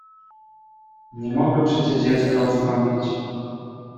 "Nie mogę przecie dziecka ustąpić!"